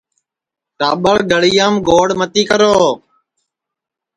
ٹاٻرگݪڑیام گوڑ متی کرو